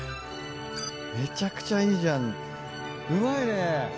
めちゃくちゃいいじゃんうまいね。